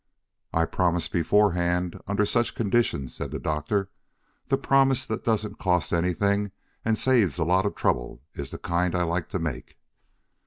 "I promise beforehand under such conditions," said the Doctor. "The promise that doesn't cost anything and saves a lot of trouble is the kind I like to make."